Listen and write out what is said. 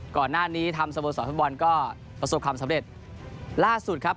ก่อนหน้านี้ทำสโมสรฟุตบอลก็ประสบความสำเร็จล่าสุดครับ